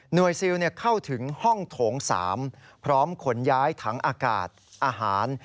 ซิลเข้าถึงห้องโถง๓พร้อมขนย้ายถังอากาศอาหาร